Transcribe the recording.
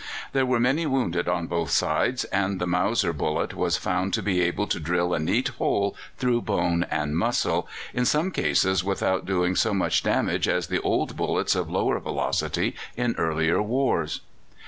There were many wounded on both sides, and the Mauser bullet was found to be able to drill a neat hole through bone and muscle, in some cases without doing so much damage as the old bullets of lower velocity in earlier wars.